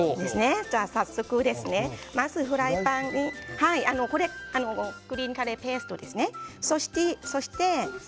まずフライパンにグリーンカレーペーストですね。